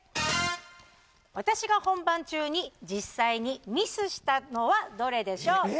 私が本番中に実際にミスしたのはどれでしょう？